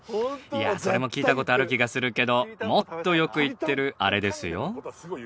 いやあそれも聞いた事ある気がするけどもっとよく言ってるあれですよ？